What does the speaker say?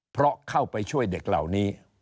เพราะเข้าไปช่วยเด็กเหล่านี้